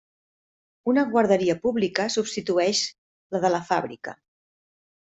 Una guarderia pública substitueix la de la fàbrica.